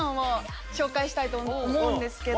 したいと思うんですけど。